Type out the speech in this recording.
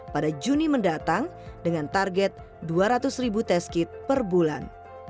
pada juni mendatang dengan target dua ratus ribu test kit per bulan